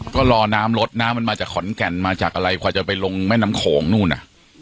ก็รอน้ำรถน้ำมันมาจากขอนแก่นมาจากอะไรกว่าจะไปลงแม่น้ำโขงนู่นน่ะ